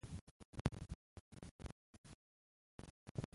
زه هیڅکله درواغ نه وایم.